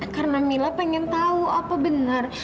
karena mila pengen tahu apa benar